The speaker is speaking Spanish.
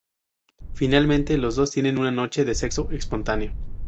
Finalmente los dos tienen una noche de sexo espontáneo.